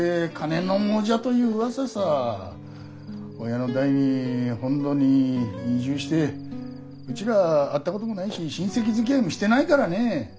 親の代に本土に移住してうちらは会ったこともないし親戚づきあいもしてないからね。